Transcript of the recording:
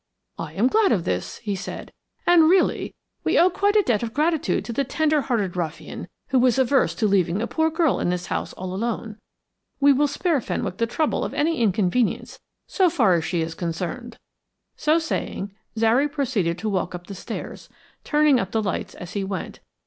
"I am glad of this," he said; "and, really, we owe quite a debt of gratitude to the tender hearted ruffian who was averse to leaving a poor girl in this house all alone. We will spare Fenwick the trouble of any inconvenience so far as she is concerned." So saying, Zary proceeded to walk up the stairs, turning up the lights as he went.